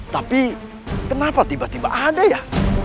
tapi kenapa tiba tiba ada ya